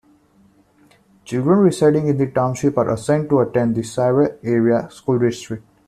Children residing in the township are assigned to attend the Sayre Area School District.